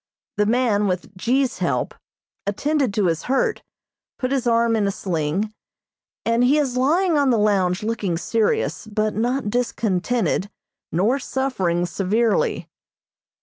The man, with G.'s help, attended to his hurt, put his arm in a sling, and he is lying on the lounge looking serious, but not discontented nor suffering severely.